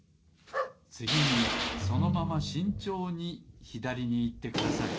つぎにそのまましんちょうにひだりにいってください